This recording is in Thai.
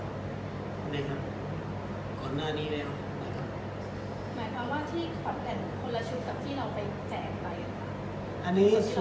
หมายความว่าที่ความเป็นคนละชุดกับที่เราไปแจกไปหรือเปล่า